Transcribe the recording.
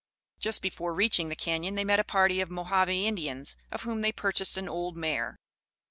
Just before reaching the Cañon they met a party of Mohave Indians, of whom they purchased an old mare.